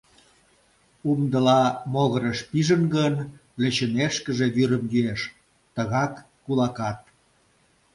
Умдыла могырыш пижын гын, лӧчымешкыже, вӱрым йӱэш, тыгак кулакат.